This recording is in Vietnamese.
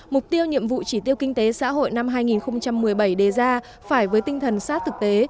mục tiêu nhiệm vụ chỉ tiêu kinh tế xã hội năm hai nghìn một mươi bảy đề ra phải với tinh thần sát thực tế